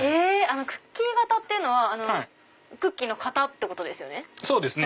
クッキー型っていうのはクッキーの型ですよね